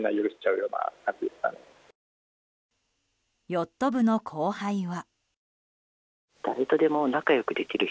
ヨット部の後輩は。